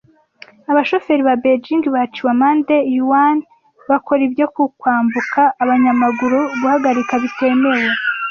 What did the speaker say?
Abashoferi ba Beijing baciwe amande Yuan bakora ibyo ku kwambuka abanyamaguru Guhagarika bitemewe